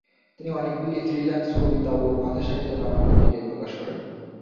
তিনি অনেকগুলি ফ্রিল্যান্স কবিতা ও কথাসাহিত্য নানা পত্রিকায় প্রকাশ করেন।